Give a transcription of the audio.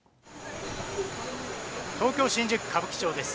東京・新宿・歌舞伎町です。